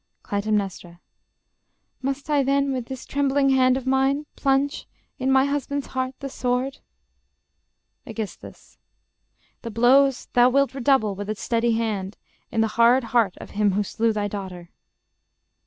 Cly. Must I then with this trembling hand of mine Plunge ... in my husband's heart ... the sword? ... Aegis. The blows Thou wilt redouble with a steady hand In the hard heart of him who slew thy daughter.